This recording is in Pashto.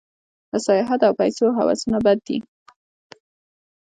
د سیاحت او پیسو هوسونه بد دي.